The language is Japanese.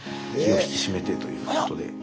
気を引き締めてということで。